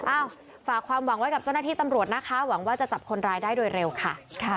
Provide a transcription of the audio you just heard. อ้าวฝากความหวังไว้กับเจ้าหน้าที่ตำรวจนะคะหวังว่าจะจับคนร้ายได้โดยเร็วค่ะ